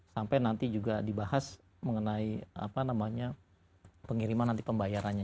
sampai nanti juga dibahas mengenai pengiriman nanti pembayarannya